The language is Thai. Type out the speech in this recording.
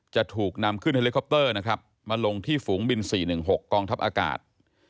จะถูกนำขึ้นเฮลิคอปเตอร์นะครับมาลงที่ฝูงบิน๔๑๖กองทัพอากาศ